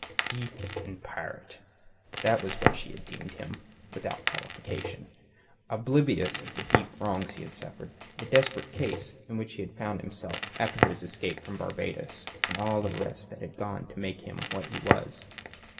Thief and pirate! That was what she deemed him, without qualification, oblivious of the deep wrongs he had suffered, the desperate case in which he found himself after his escape from Barbados, and all the rest that had gone to make him what he was.